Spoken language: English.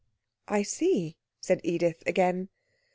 'I see,' said Edith again.